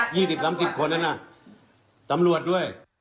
๒๐๓๐คนนะน่ะตำรวจด้วยอยากให้มันประวัติ